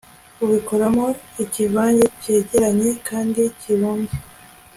ubikoramo ikivange cyegeranye kandi kibumbye